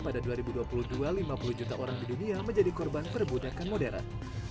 pada dua ribu dua puluh dua lima puluh juta orang di dunia menjadi korban perbudakan modern